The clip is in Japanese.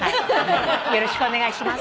よろしくお願いします。